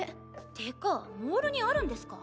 てかモールにあるんですか？